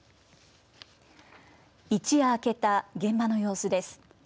一夜明けた現場の様子です。